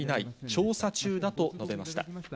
調査中だと述べました。